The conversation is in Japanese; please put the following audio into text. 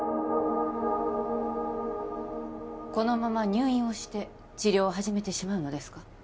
このまま入院をして治療を始めてしまうのですか？